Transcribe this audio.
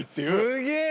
すげえ！